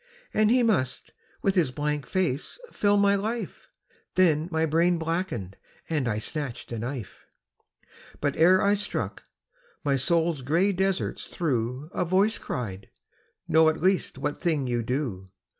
And he must with his blank face fill my life Then my brain blackened; and I snatched a knife. But ere I struck, my soul's grey deserts through A voice cried, 'Know at least what thing you do.'